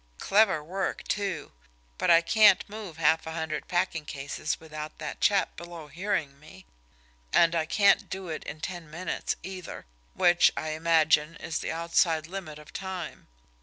"Clever work, too! But I can't move half a hundred packing cases without that chap below hearing me; and I can't do it in ten minutes, either, which, I imagine is the outside limit of time.